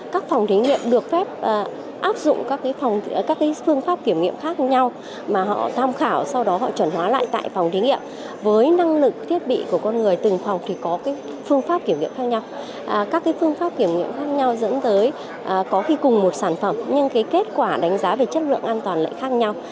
các phương pháp kiểm nghiệm khác nhau dẫn tới có khi cùng một sản phẩm nhưng kết quả đánh giá về chất lượng an toàn khác nhau